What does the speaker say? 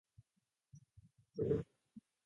ビスカヤ県の県都はビルバオである